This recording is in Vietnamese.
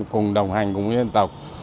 cùng đồng hành với dân tộc